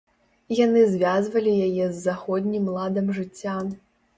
Яны звязвалі яе з заходнім ладам жыцця.